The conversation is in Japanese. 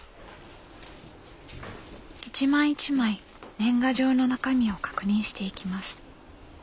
一枚一枚年賀状の中身を確認していきます。